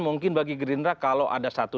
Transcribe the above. mungkin bagi gerindra kalau ada satu